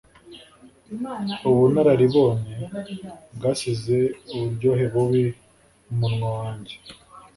Ubunararibonye bwasize uburyohe bubi mumunwa wanjye.